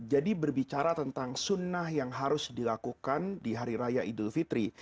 jadi berbicara tentang sunnah yang harus dilakukan di hari raya idul fitri